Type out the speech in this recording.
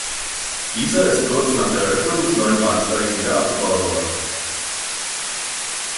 Dieser ist kurz nach der Eröffnung des neuen Bahnsteigs wieder abgebaut worden.